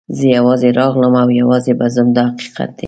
زه یوازې راغلم او یوازې به ځم دا حقیقت دی.